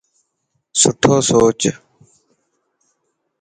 سٺو سوچ.